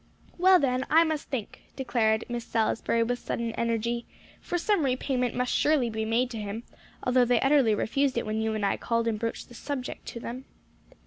"Well, then, I must think," declared Miss Salisbury, with sudden energy, "for some repayment must surely be made to him, although they utterly refused it when you and I called and broached the subject to them."